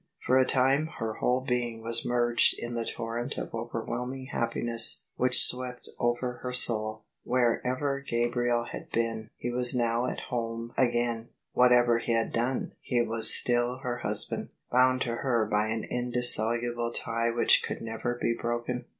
For a time her whole being was merged in the torrent of overwhelming happiness which swept over her soul, SVherever Gabriel had been, he .was now at home ! THE SUBJECTION again: whatever he had done, he was still her husband, bound to her by an indissoluble tie which could never be broken.